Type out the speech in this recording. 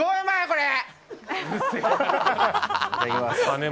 これ！